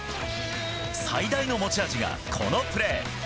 最大の持ち味がこのプレー。